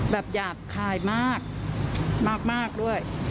แบบอยากคลายมากมากด้วย